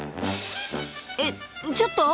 えっちょっと！